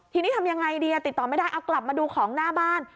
ทีนี้ทำยังไงดีติดต่อไม่ได้เอากลับมาดูของหน้าบ้าน